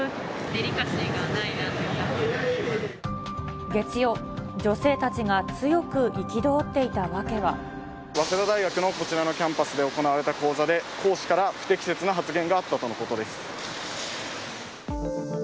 デリカシーがないなと思いま月曜、早稲田大学のこちらのキャンパスで行われた講座で、講師から不適切な発言があったということです。